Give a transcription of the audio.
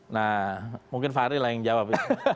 nah mungkin fahri lah yang jawab